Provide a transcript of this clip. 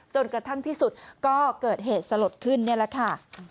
จนกระทั่งที่สุดก็เกิดเหตุสลดขึ้นนี่แหละค่ะ